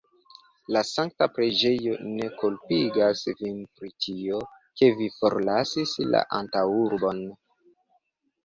La sankta preĝejo ne kulpigas vin pri tio, ke vi forlasis la antaŭurbon.